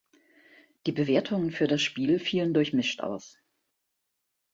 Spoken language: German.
Die Bewertungen für das Spiel vielen durchmischt aus.